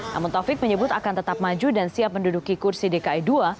namun taufik menyebut akan tetap maju dan siap menduduki kursi dki ii